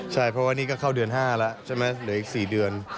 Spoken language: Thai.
ใช่เพราะว่านี่ก็เข้าเดือน๕แล้วใช่ไหมเหลืออีก๔เดือน